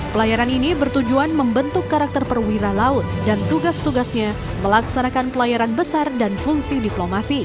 pelayaran ini bertujuan membentuk karakter perwira laut dan tugas tugasnya melaksanakan pelayaran besar dan fungsi diplomasi